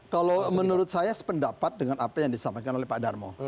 kalau menurut saya sependapat dengan apa yang disampaikan oleh pak darmo